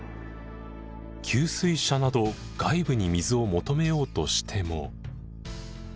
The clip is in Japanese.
給水車など外部に水を求めようとしても。